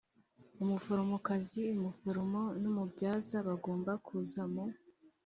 umuforomokazi umuforomo n umubyaza bagomba kuza mu